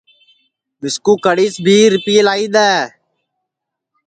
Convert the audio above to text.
مِسکُو کڑھیس بھی رِپئے لائی دؔے